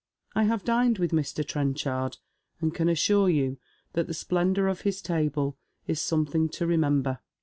I have dined with Mr. Trenchard, and can assure you that the splendour of his table is something to remember.